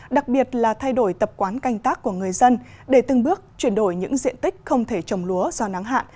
đặc biệt là thay đổi tập quán canh tác của người dân để từng bước chuyển đổi những diện tích không thể trồng lúa do nắng hạn